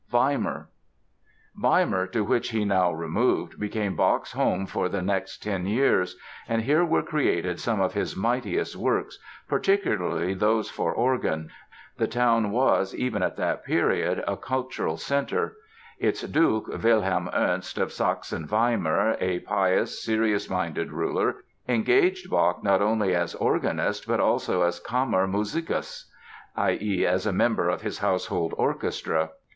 WEIMAR Weimar, to which he now removed, became Bach's home for the next ten years, and here were created some of his mightiest works, particularly those for organ. The town was, even at that period, a cultural center. Its Duke, Wilhelm Ernst of Sachsen Weimar, a pious, serious minded ruler, engaged Bach not only as organist, but also as Kammermusikus, i.e., as a member of his household orchestra.